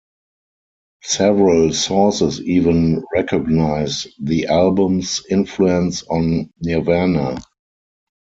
Several sources even recognize the album's influence on Nirvana.